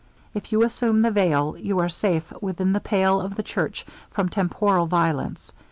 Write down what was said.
If you assume the veil, you are safe within the pale of the church from temporal violence.